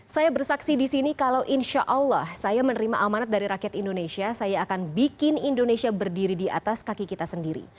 saya bersaksi di sini kalau insya allah saya menerima amanat dari rakyat indonesia saya akan bikin indonesia berdiri di atas kaki kita sendiri